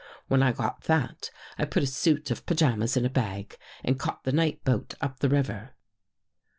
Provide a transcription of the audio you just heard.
When I got that, I put a suit of pajamas in a bag and caught the night boat up the river."